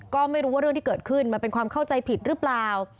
ก็ไม่รู้ว่าเรื่องที่เกิดขึ้นมันเป็นความเข้าใจผิดหรือเปล่า